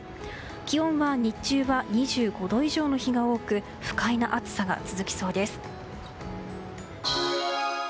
気温は日中は２５度以上の日が多く不快な暑さが続きそうです。